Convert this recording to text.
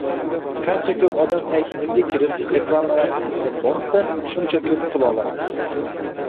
Qancha ko’p odam saytingizga kirib, reklamalaringizni bossa, shuncha ko’p pul olasiz